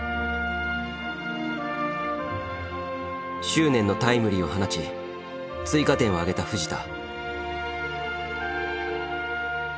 執念のタイムリーを放ち追加点をあげた藤田。